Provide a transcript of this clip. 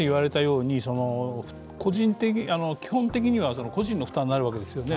基本的には個人の負担になるわけですよね。